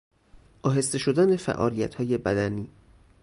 آهسته شدن فعالیتهای بدنی